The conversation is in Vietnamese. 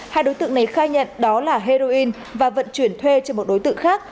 hai đối tượng này khai nhận đó là heroin và vận chuyển thuê cho một đối tượng khác